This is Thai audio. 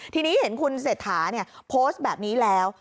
ทีนี้เห็นคุณเศรษฐาโพสต์แบบนี้แล้ว